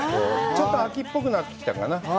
ちょっと秋っぽくなってきたかな？